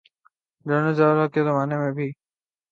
General Zia ul Haq کے زمانے میں بھی ایسا ہی مسئلہ درپیش ہوا تھا۔